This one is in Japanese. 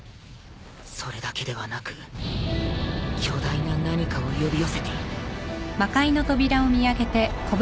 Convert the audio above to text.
それだけではなく巨大な何かを呼び寄せている。